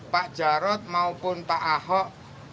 pak jarod maupun pak ahok